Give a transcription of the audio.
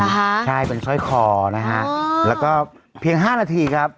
หรอฮะใช่เป็นช่อยคอนะฮะแล้วก็เพียง๕นาทีครับ